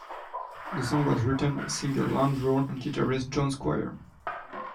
The song was written by singer Ian Brown and guitarist John Squire.